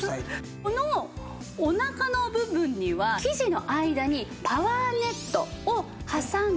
このお腹の部分には生地の間にパワーネットを挟んだ